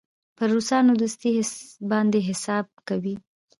پر روسانو دوستي باندې حساب کوي.